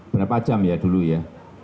berapa jam ya dulu ya